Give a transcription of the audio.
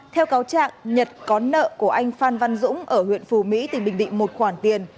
theo cáo trạng nhật có nợ của anh phan văn dũng ở huyện phù mỹ tỉnh bình định một khoản tiền